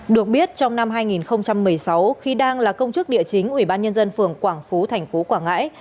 được biết trong năm hai nghìn một mươi sáu khi đang là công chức địa chính ubnd phường quảng phú tp quảng ngãi